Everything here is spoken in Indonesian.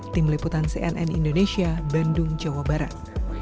tim liputan cnn indonesia bandung jawa barat